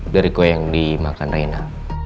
dari gue yang dimakan reina